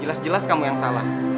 jelas jelas kamu yang salah